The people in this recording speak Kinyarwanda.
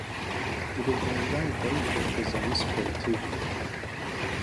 Girubuntu Jeanne d’Arc (Les Amis sportifs)